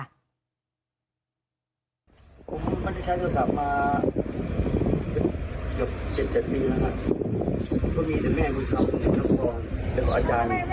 ผมไม่ใช้โทรศัพท์มาเจ็บปีแล้วครับ